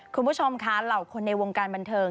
คุณผู้ชมค่ะเหล่าคนในวงการบันเทิง